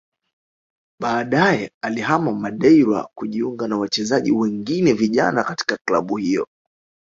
Baadaye alihama Madeira kujiunga na wachezaji wengine vijana katika klabu hiyo